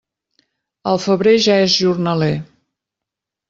El febrer ja és jornaler.